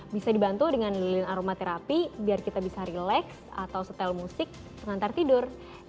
bisa dibantu dengan lilin aromaterapi biar kita bisa relax atau setel musik pengantar tidur